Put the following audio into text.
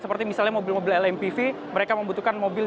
seperti misalnya mobil mobil lmpv mereka membutuhkan mobil